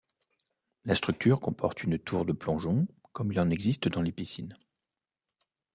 La structure comporte une tour de plongeon comme il en existe dans les piscines.